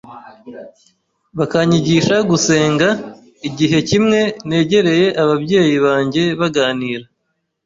bakanyigisha gusenga. Igihe kimwe negereye ababyeyi banjye baganira